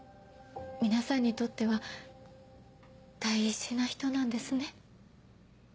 皆さんにとっては大事な人なんですね。